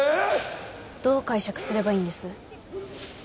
どう解釈すればいいんです？